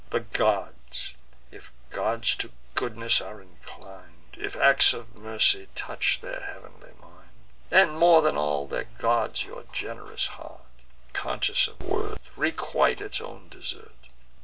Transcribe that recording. The gods, if gods to goodness are inclin'd; If acts of mercy touch their heav'nly mind, And, more than all the gods, your gen'rous heart. Conscious of worth, requite its own desert!